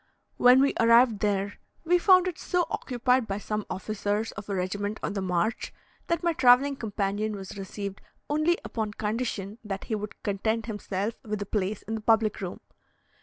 When we arrived there, we found it so occupied by some officers of a regiment on the march, that my travelling companion was received only upon condition that he would content himself with a place in the public room.